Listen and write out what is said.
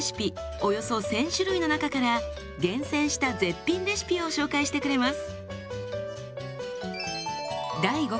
およそ１，０００種類の中から厳選した絶品レシピを紹介してくれます。